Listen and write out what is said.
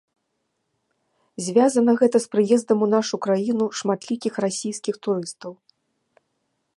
Звязана гэта з прыездам у нашу краіну шматлікіх расійскіх турыстаў.